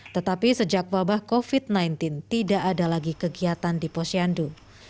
tetapi sejak wabah covid sembilan belas tidak ada lagi kegiatan di posyandu